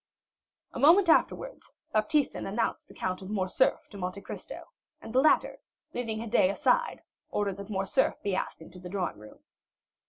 A moment afterwards, Baptistin announced the Count of Morcerf to Monte Cristo, and the latter, leading Haydée aside, ordered that Morcerf be asked into the drawing room.